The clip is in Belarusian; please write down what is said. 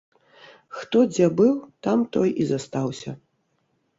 Хто дзе быў, там той і застаўся.